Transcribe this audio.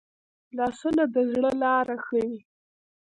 لاسونه د زړه لاره ښيي